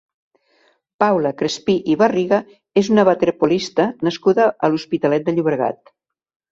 Paula Crespí i Barriga és una waterpolista nascuda a l'Hospitalet de Llobregat.